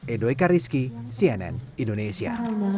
edoika rizky cnn indonesia